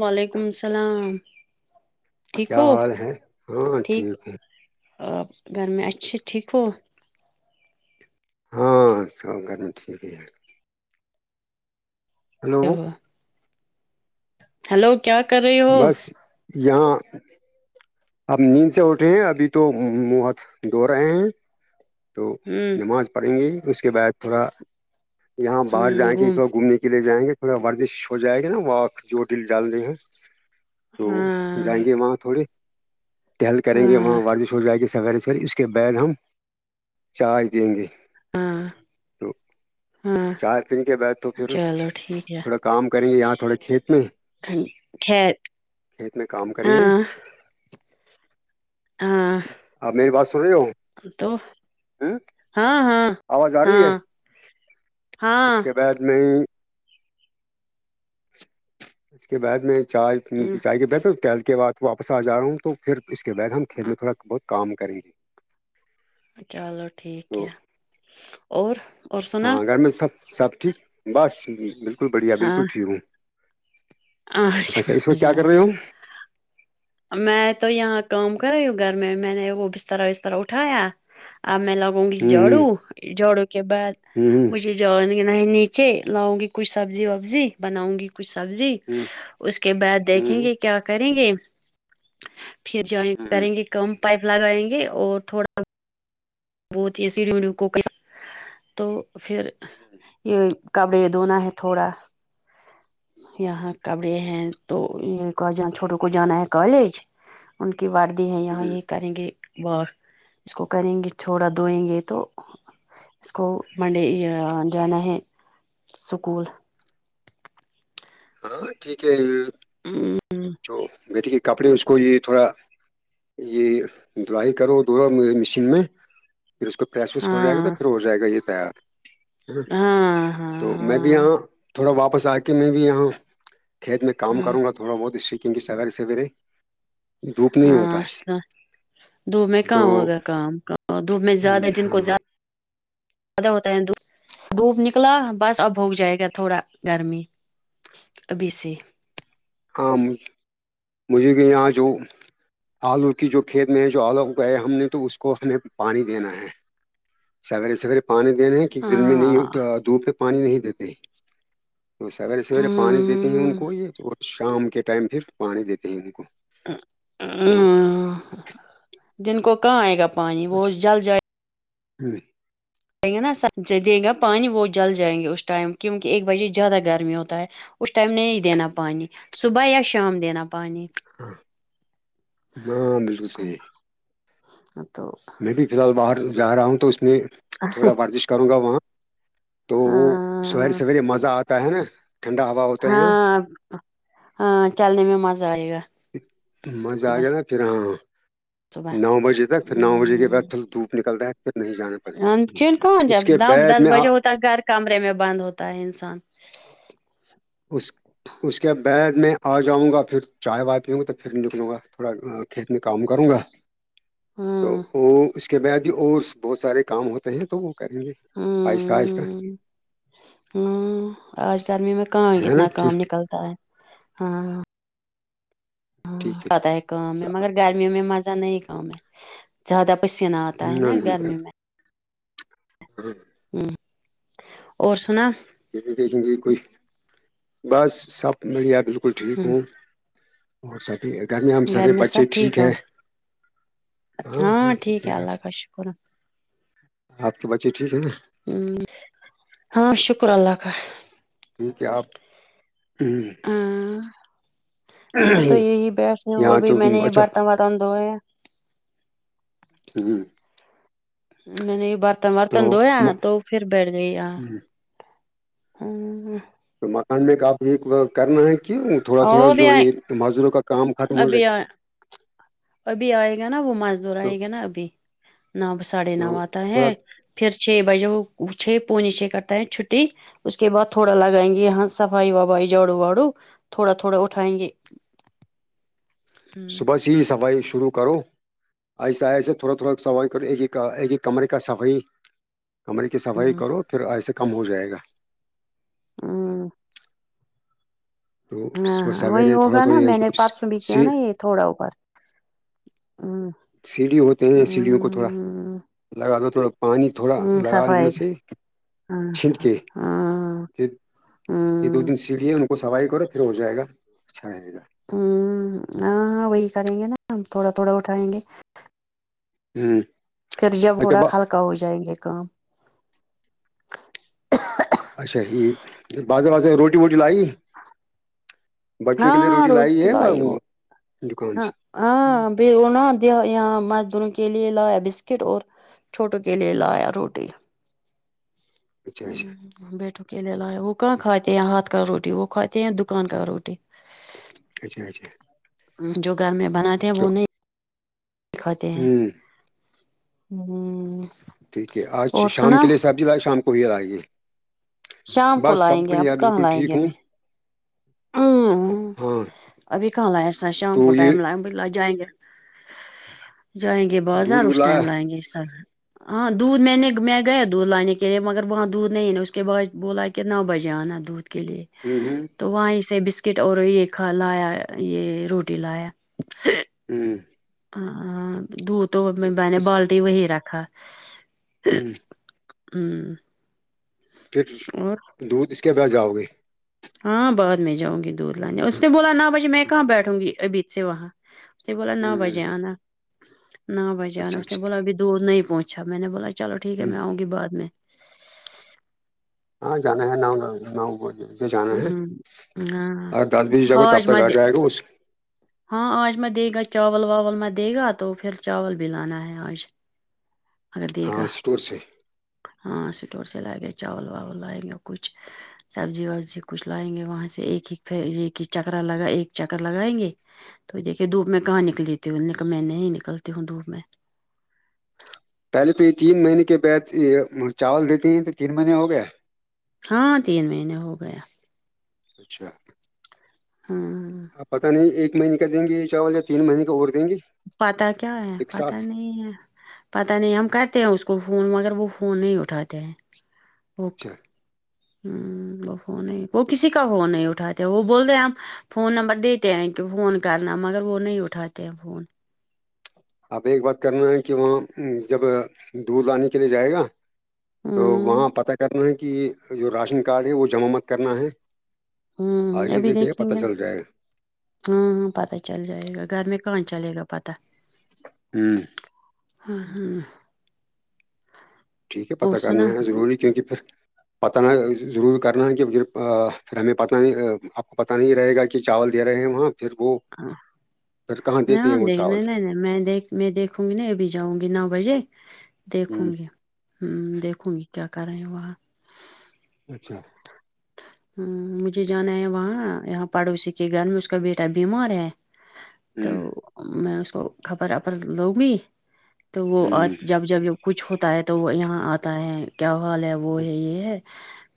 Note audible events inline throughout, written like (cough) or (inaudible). وعلیکم السلام ٹھیک کیا ہو حال ہے ہاں ٹھیک ہے آ گھر میں اچھی ٹھیک ہو ہاں سب کادم ٹھ ہے ہے ہیلو ہیلو کیا کرے بس یہاں اب نیند سے اٹھے ہیں ابھی تو منہ ہاتھ دھو رہے ہیں تو ہوں نماز پڑھیں گے اس کے بعد تھوڑا یہاں باہر ہوں جائیں گے گم تھوڑا گھومنے کے لیے جائیں گے تھوڑا ورزش ہو جائے گا نا و جو ڈل ڈال رہ ہے تو ہاں جائیں گے وہاں تھوڑے ٹہل کریں گے ہاں وہاں ورزش ہو جائے گی سویرے سوے اس کے بیگ ہم چائے پیں گے ہاں ہاں چار دن کے بعد تو پھر چلو ٹھیک ہے تھوڑا کام کریں گے یہاں تھوڑے کھیت میں (unintelligible) کھیت میں کام کریں گے ہاں ہاں آپ میری بات سن رہے ہو تو ہ ہاں ہاں آواز آ رہی ہے ہاں اس ہاں کے بعد میں اس کے بعد میں چائے چائے کے بہتر ٹہل کے بعد واپس آ جا رہا ہوں تو پھر اس کے بعد ہم کھیت میں تھوڑا بہت کام کریں گے چلو ٹھیک تو ہے اور اور سنا ہاں گھر میں سب سب ٹھیک بس بالکل بڑھیا ہاں بالکل ٹھیک ہوں اچھا اس وقت کیا کر رہے ہو میں تو یہاں کام کر رہی ہوں گھر میں میں نے وہ بسترا وسترا اٹھایا اب میں لوگ گ ہوں جڑو جڑو کے بعد ہوں مجھے جون گ نا ہے نیچے لاؤں گی کچھ سبزی وبزی بناؤں گی کچھ سبزی ہوں اس کے بعد دیکھیں ہوں گے کیا کریں گے پھر جوائن ہوں کریں گے کم پائپ لگائیں گے اور تھوڑا وہ اسی ریوڈو کو (unintelligible) تو پھر یہ کپڑے یہ دنا ہے تھوڑا یہاں کبرے ہے تو یہ کہ ج چھوٹوں کو جانا ہے کالج ان کی ووردی ہے یہاں ہوں یہ کریں گے وہ اس کو کریں گے چھوڑا دھوئیں گے تو اس کو منڈے یہ جانا ہے سکول ہاں ٹھیک ہے ہاں جو بیٹے کے کپڑے اس کو یہ تھوڑا یہ ڈرائی کرو دوورو مے مشین میں پھر اس کو پریس ویس ہو جائے گا تو ہاں پھر ہو جائے گا یہ تیار ہے ہاں تو میں بھی ہاں یہاں تھوڑا واپس آ کے میں بھی یہاں کھیت میں کام ہاں کروں گا تھوڑا بہت شیکیں گی سویرے سویرے دھوپ نہیں ہاں ہوتا ہے اچھا دھوپ میں تو کہاں ہوگا کام کا دھوپ میں زیادہ دن کو ہاں زدہ ج زدا ہوتا ہے د دھوپ نکلا بس اب ہوگ جائے گا تھوڑا گرمی ا بی سی آمد (unintelligible) مجھے کہ یہاں جو آلو کی جو کھیت میں ہے جو آلو گئے ہم نے تو اس کو ہمیں پانی دینا ہے سگیرے سگیرے پانی دینے ہیں کہ دن میں ہاں نہیں دوپ پہ پانی نہیں دیتے تو سویرے سویرے پانی دیتے ہیں ان ہمم کو یہ اور شام کے ٹائم پھر پانی دیتے ہیں ان کو ہ تو دن کو کہاں آئے گا پانی وہ جل جائے ھمم جیں گے نا س دے گا پانی وہ جل جائیں گے اس ٹائم کیونکہ ایک بجے زیادہ گرمی ہوتا ہے ام دینا ہاں بالکل صحیح (unintelligible) میں بھی فی الحال باہر جا رہا ہوں تو اس میں تھوڑا ورزش کروں گا وہاں تو وہ شہر ہاں سیے مزہ آتا ہے نا ٹھنڈا ہو ہاں ہاں چلنے میں مزہ آئے گا مزہ آ صبح جانا پھر ہاں صبح نو بجے تک پھر نو بجے کے بعد تھ دھوپ نکل رہا ہے پھر نہیں جانے چن کون جب دس بجے ہوتا ہے گھر کمرے میں بند ہوتا ہے انسان اس اس کے بعد میں آ جاؤں گا پھر چائے وا پیوںں گا تو پھر نکلوں گا تھوڑا کھیت میں کام کروں گا تو ہمم وہ اس اس کے بعد بھی اور بہت سارے کام ہوتے ہیں تو وہ کریں گے آہستہ آہستہ ہمم آج گرمی میں کہاں ہے نا اتنا کام ٹھیک نکلتا ہے ہاں پت آ ہے کا میں مگر گرمیوں میں مزہ نہیں ہی کا زیادہ پسینہ آتا ہے نا گرمی میں جی اور سنا دوں گی کوئی بس سپ میرییا بالکل ٹھیک ہم ہووں اور سبھی گرمییا میں گھر سارے سب بچے ٹھیک ہو ہے ہاں ہاں ٹھیک ہے یار اللہ سے کا شکر ہے۔ آپ کے بچے ٹھیک ہے نا ہاں شکر اللہ کاال ٹھیک ہے آپ ہاں میں تو یہی بیس ہوں اور یہاں بھی تو میں نے یہ اچھا برتن ورتن دھوئے ہوں میں نے یہ برتن ورتن دھویا تو پھر بیٹھ گئی آ (inaudible) مکان میںپ ایک کرنا ہے کہ تھوڑا تھوڑا اور جو ابھی آئے یہ معذوروں کا کام ختم ہو جائے ابھی گا آئے ابھی آئے گا نا وہ مزدور تو آئے گا نا ابھی نو ساڑھے نو تو آتا ہے تھوڑا پھر چھ بجے وہ چھ پونی چھ کرتا ہے چھٹی اس کے بع تھوڑا لگائیں گے یہاں صفائی وفائی جاڑو واڑو تھوڑا تھوڑا اٹھائیں گے ہمم صبح ہی صفائی شروع کرو ایسے آئے ایسے تھوڑا تھوڑا صفائی ایک کمے صفائی کمرے کی صفائی کرو پھر ایسے کم ہو جائے گا (inaudible) تو صبح ہاں وہی سویرے تھوڑا ہوگا نا تھوڑا میں نے پرسوں بھی کیا نا یہ تھوڑا اپر سیڑھی ہوتے ہیں سیڑھیوں کو تھوڑا لگا دو تھوڑا پانی تھوڑا ہ لگا ان میں صفائی سے کا ہاں چھینٹ کے ہاں ہ یہ دو دن سیڑھیے ان کو کو سفائی کرو پھر ہو جائے گا اچھا رہے گا ہوں ہاں ہاں وہی کریں گے نا ہم تھوڑا تھوڑا اٹھائیں گے ہوں پھر جب تھوڑا ہلکا ہو جائیں گے کام اچھا جیھ بستے واستے روٹی ووٹی لائی بچوں کے لیے ہاں روٹی لائی روز تو ہے وہ دکان سے پھر نہ د یہاں مزدوروں کے لیے لایا بسکٹ اور چھوٹوں کے لیے لایا روٹی اچھا اچھا ہوں بیٹوں کے لیے لا وہ کہاں کھاتے ہیں ہاتھ کا روٹی وہ کھاتے ہیں دکان کا روٹی اچھا اچھا جو گھر میں بناتے ہیں وہ تو نہیں کھاتے ہیں ہوں (inaudible) ٹھیک ہے آج اور شام سنا کے لیے صاحب جی آ شام کو ہی آئیے شام کو بس سب لائیں گے اب بڑیا کہاں بالکل لائیں ٹھیک گے ابھی ہوں ہاں ابھی کہاں ایسا شام کو تو یہ ٹائم بلا جائیں گے جائیں گے بازار دودھ اس بلایا ٹائم لائیں گے اس ہاں دودھ میں نے میں گیا دودھ لانے کے لیے مگر وہاں دودھ نہیں نے اس کے بعد بولا کہ کتنا بجے آنا دودھ کے لیے ہوں ہوں تو وہاں اس سے بسکٹ اور یہ کھا لایا یہ روٹی لایا ہوں ہاں دود تو میں نے اس بالٹی وہی رکھا ہوں ہوں پھر دودھ اس کے ب جاؤ گے ہاں بعد میں جؤں گی دودھ لانے اس نے بولا نہ بجے میں کہاں بیٹھوں گی ابید سے وہاں اس بولا نو ہ بجے آنا نہ بجے نے اچھا اس نے اچھا بولا ابھی دودھ نہیں پہنچا میں نے بولا چلو ٹھیک ہے ہ میں آؤں گی بع میں ہاں جان ہے ن ہوں ہاں ا دس بیس جگہ تب آج تک مت آ دے، جائے گا اس ہاں آج میں دے گا چاول واول میں دے گا تو پھر چاول بھی لانا ہے آج اگر دے ہاں گا اسٹور سے ہاں اسٹور سے لائے گے چاول واول لائیں گے کچھ سبزی وبزی کچھ لائیں گے وہاں سے ایک ایک ایک ہی چکرا لگا ایک چکر لگائیں گے تو دیکھیے دھو میں کہاں نکلیتی ہ کہ میں نہیں نکلتی ہوں دھوپ میں پہلے تو یہ تین مہینے کے بعد چاول دیتی ہیں تو تین مہینے ہو گیا ہاں تین مہینے ہو گیا اچھا ہاں آپ پتہ نہیں ایک مہینے کا دیں گے یہ چاول یا تین مہینے کا اور دیں گی پتاہ کیا ہے پتاہ نہیں ہے پت نہیں ہم کرتے ہیں اس کو فون مگر وہ فون نہیں اٹھاتے ہیںک اچھا ہ وہ فون نہیں وہ تو کسی کا فون نہیں اٹھاتے وہ بولتے ہم فون نمبر دیتے ہیں کہ فون کرنا مگر وہ نہیں اٹھاتے ہیں فون آپ ایک بات کرنا ہے کہ وہاں جب دودھ لانے کے لیے جائے گا تو ہمم وہاں پتہ کرنا ہے کہ جو راشن کارڈ ہے وہ جمع مت کرنا ہے ہوں آج ہی ابھی دیکھے دیکھیں پتہ گا چل جائے ہاں ہاں پتا چل جائے گا گھر میں کہاں چلے گا پتا ہوں ہاں ہاں ٹھیک ہے اور پتا کرنا سنا ہے ضروری کیونکہ پھر پتہ نہ ضرور کرنا ہے کہ پھر پھر ہمیں پتہ نہیں آپ کو پتہ نہیں رہے گا کہ چاول دے رہے ہیں وہاں پھر وہ پھر کہاں نہیں دیتے ہیں ہم وہ دیکھ چاول نہیں نہیں میں دیکھ میں دیکھوں گی ن ابھی جاؤں گی نو بجے دیکھوں ہوں گی ہوں دیکھوں گی کیا کر رہے ہیں وہاں اچھا ہ مجھے جانا ہے وہاں یہاں پڑوسی کے گھر میں اس کا بیٹا بیمار ہے تو ہوں میں اس کو خبر اپر لوں گی تو وہ ہوں جب جب ج کچھ ہوتا ہے تو وہ یہاں آتا ہے کیا حال ہے وہ ہوں ہے یہ ہے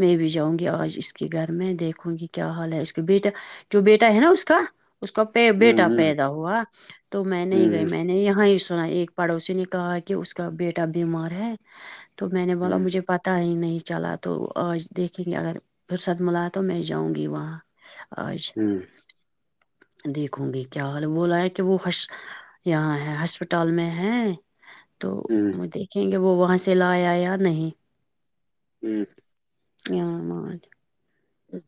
میں بھی جاؤں گی آج اس اس کے گھر میں دیکھوں گی کیا حال ہے اس کا بیٹا جو بیٹا ہے نا اس کا اس کا پ بیٹا ہوں ہوں پیدا ہوا تو میں نہیں گئی ہوں میں نے یہاں ہی سنا ایک پڑوسی نے کہا کہ اس کا بیٹا بیمار ہے تو میں نے بولا مجھے ہوں پتا ہی نہیں چلا تو آج دیکھیں گے اگر پرسد ملا تو میں جاؤں گی وہاں آج دیکھوں گی کیا حال وہ لایا کہ وہش یہاں ہے ہسپتال میں ہے تو ہوں وہ دیکھیں گے وہ وہاں سے لایا یا نہیں ہی آاں م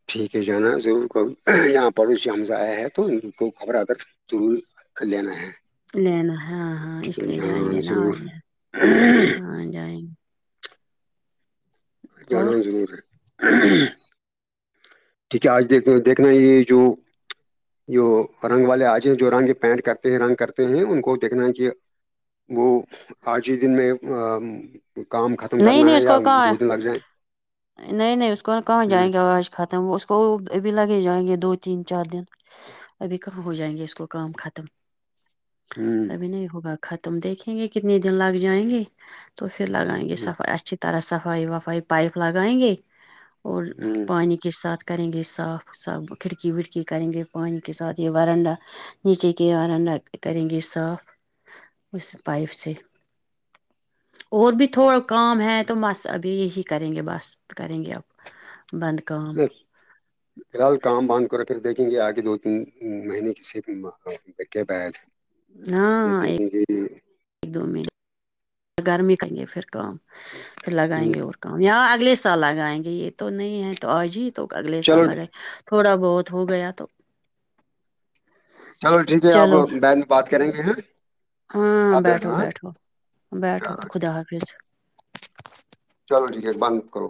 ٹھیک ہے جانا ضرور یہاں پڑوسی ش ہمز آیا ہے تو ان کو خبرا کر (unintelligible) لینا ہاں ہاں اس لیے جائیں گے نہا ضرور آیںا ہاں جائیں گے اور گانوں ضرور ہے ٹھیک ہے آج دیک دیکھنا ہے یہ جو جو رنگ والے آجے ہیں جو رنگ پینٹ کرتے ہیں رنگ کرتے ہیں ان کو دیکھنا ہے کہ وہ آج ہی دن میں کام ختم نہیں کرنا نہیں ہے اس یا کو کہاں دو دن لگ جائے نہیں نہیں اس کو نا کہاں جائیں گے آوج ختم وہ اس کو ابھی لگے جائیں گے دو تین چار دن ابھی کہاں ہو جائیں گے اس کو کام ختم ھمم ابھی نہیں ہوگا ختم دیکھیں گے کتنے دن لگ جائیں گے تو پھر لگائیں گے ہ ہ سفائی اچھے طرح صفائی وفائی پائپ لگائیں گے اور پانی ک کے ساتھ کریں گے صاف صاف کھڑکی وھڑکی کریں گے پانی کے ساتھ یہ وارانڈا نیچے کے آرن کریں گے صاف اس پائپ سے اور بھی تھوڑا کام ہے تو مس ابھی یہی کریں گے بس کریں گے اب بند کام نہیں (unintelligible) فی الحال کام بند کرو پھر دیکھیں گے آگے دو تین مہینے کی صرف کیب آ تھ ہے ج ج ہاں تی ایک دو مہینے گرمی کریں گے پھر کام پھر لگائیں ہ گے اور م یار اگلے سال لگائیں گے یہ تو نہیں ہے تو آج ہی تو اگلے سال چلو لگیں تھوڑا بہت ہو گیا تو چلو ٹھیک ہے آپ چلو بی میں بات کریں گے ہیں ہاں بیٹھو بیٹھو بیٹھو چلو ٹھیک خدا حافظ چلو ٹھیک ہے بند کرو